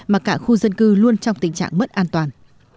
mà cả khu dân cư luôn trong tình trạng mất an toàn